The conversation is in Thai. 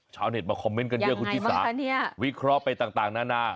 ชาวเน็ตมาคอมเมนต์กันเยอะคุณชิสาวิเคราะห์ไปต่างนานา